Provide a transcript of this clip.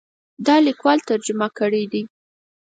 دا لیکوال ترجمه کړی دی.